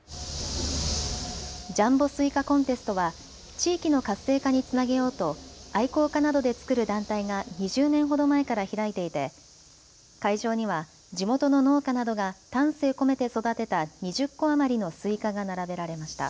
ジャンボスイカコンテストは地域の活性化につなげようと愛好家などで作る団体が２０年ほど前から開いていて、会場には地元の農家などが丹精込めて育てた２０個余りのスイカが並べられました。